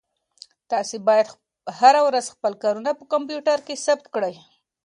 تاسو باید هره ورځ خپل کارونه په کمپیوټر کې ثبت کړئ.